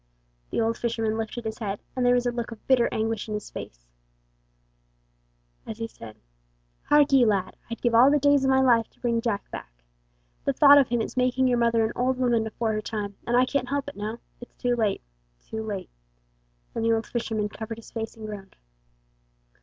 The old fisherman lifted his head, and there was a look of bitter anguish in his face, as he said: "Hark ye, lad, I'd give all the days of my life to bring Jack back. The thought of him is making yer mother an old woman afore her time, and I can't help it now; it's too late, too late;" and the old fisherman covered his face and groaned.